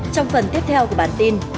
trong phần tiếp theo của bản tin